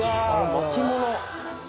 巻物。